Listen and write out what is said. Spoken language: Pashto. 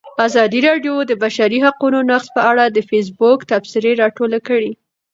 ازادي راډیو د د بشري حقونو نقض په اړه د فیسبوک تبصرې راټولې کړي.